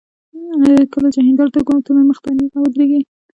کله چې هندارې ته ګورم، ته مې مخ ته نېغه ودرېږې